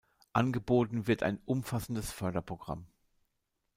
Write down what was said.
Angeboten wird ein umfassendes Förderprogramm.